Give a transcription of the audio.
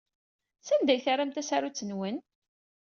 Sanda ay terram tasarut-nwen?